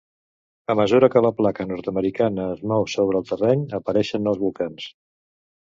A mesura que la placa nord-americana es mou sobre el terreny, apareixen nous volcans.